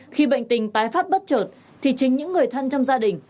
khi bệnh tình tái phát bất chợt thì chính những người thân trong gia đình